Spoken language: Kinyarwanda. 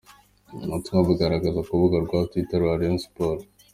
Ubutumwa bugaragara ku rubuga rwa Twitter rwa Rayon Sports.